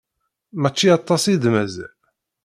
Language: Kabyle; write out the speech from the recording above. Mačči aṭas i d-mazal.